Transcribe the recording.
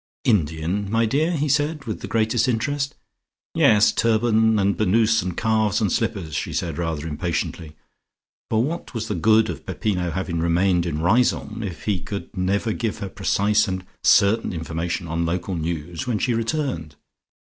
"Indian, my dear?" he asked with the greatest interest. "Yes; turban and burnous and calves and slippers," she said rather impatiently, for what was the good of Peppino having remained in Riseholme if he could not give her precise and certain information on local news when she returned.